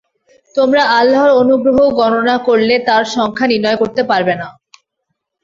তোমরা আল্লাহর অনুগ্রহ গণনা করলে তার সংখ্যা নির্ণয় করতে পারবে না।